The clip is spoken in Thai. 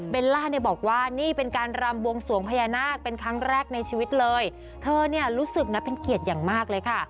ล่าเนี่ยบอกว่านี่เป็นการรำบวงสวงพญานาคเป็นครั้งแรกในชีวิตเลยเธอเนี่ยรู้สึกนะเป็นเกียรติอย่างมากเลยค่ะ